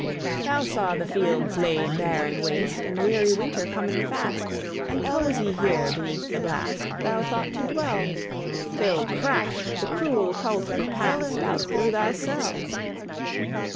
Thou saw the fields laid bare and waste, And weary winter comin' fast, And cozie here, beneath the blast, Thou thought to dwell, Till, crash! the cruel coulter passed Out through thy cell.